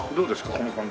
この感じ。